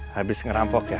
habis ngerampok ya